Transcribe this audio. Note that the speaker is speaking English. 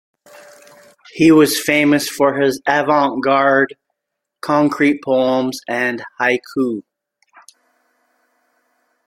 He was famous for his avant-garde concrete poems and "haiku".